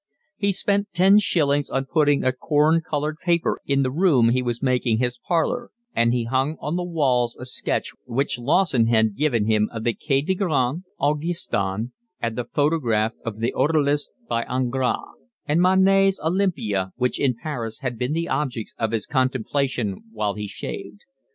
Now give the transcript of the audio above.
He spent ten shillings on putting a corn coloured paper in the room he was making his parlour; and he hung on the walls a sketch which Lawson had given him of the Quai des Grands Augustins, and the photograph of the Odalisque by Ingres and Manet's Olympia which in Paris had been the objects of his contemplation while he shaved.